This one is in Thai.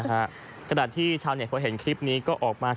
สะพาลลอยโบเบเซียมรังสิทธิ์ไม่ค่อยมีเจ้าเส้าที่ก่อนไปทำความสะอาดเลย